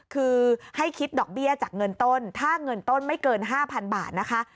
คือให้คิดดอกเบี้ยจากเงินต้นถ้าเงินต้นไม่เกิน๕๐๐๐บาทนะคะ